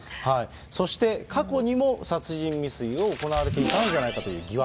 そして過去にも殺人未遂を行われていたんじゃないかという疑惑。